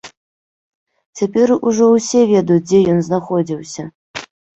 Цяпер ужо ўсе ведаюць, дзе ён знаходзіўся.